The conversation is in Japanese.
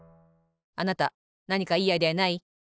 あなたなにかいいアイデアない？